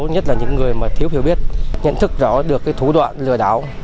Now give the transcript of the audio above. nhất là những người mà thiếu hiểu biết nhận thức rõ được cái thủ đoạn lừa đảo